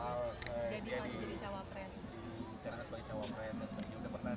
jadi mas jawa pres